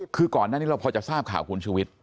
คือก่อนหน้านี้เราพอจะทราบข่าวคุณชุวิต